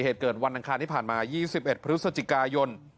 เหตุเกิดวันอังคารที่ผ่านมา๒๑พฤศจิกายน